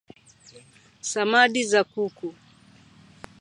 samadi za kuku